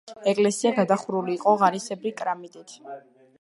ეკლესია გადახურული იყო ღარისებრი კრამიტით.